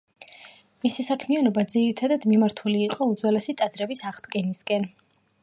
მისი საქმიანობა ძირითად მიმართული იყო უძველესი ტაძრების აღდგენისკენ.